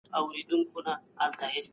څارنوال د پېښې لیدونکي راغواړي.